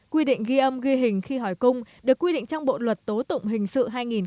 quy định ghi âm ghi hình khi hỏi cung được quy định trong bộ luật tố tụng hình sự hai nghìn một mươi năm